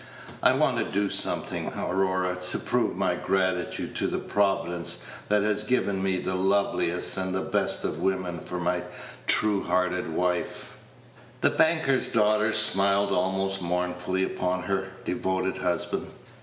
I want to do something, Aurora, to prove my gratitude to the Providence that has given me the loveliest and best of women for my true hearted wife." The banker's daughter smiled almost mournfully upon her devoted husband.